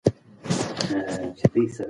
د کندهار کلا ډېره پیاوړې وه.